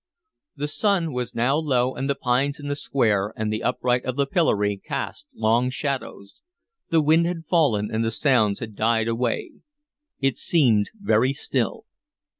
The sun was now low, and the pines in the square and the upright of the pillory cast long shadows. The wind had fallen and the sounds had died away. It seemed very still.